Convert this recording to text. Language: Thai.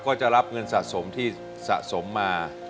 ก็จะรับเงินสะสมที่สะสมมา